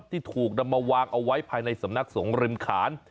ที่ถูกนำมาวางเอาไว้ภายในสำนักสงฆ์ริมขาน